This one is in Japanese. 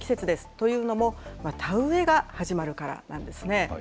というのも、田植えが始まるからなんですね。